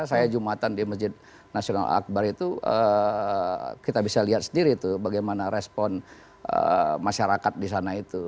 saya jumatan di masjid nasional akbar itu kita bisa lihat sendiri tuh bagaimana respon masyarakat di sana itu